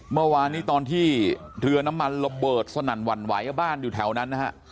เมื่อวานนี้ตอนที่เรือน้ำมันระเบิดสนั่นหวั่นไหวบ้านอยู่แถวนั้นนะฮะ